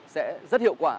sẽ rất hiệu quả